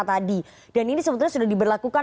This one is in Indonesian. tadi dan ini sebetulnya sudah diberlakukan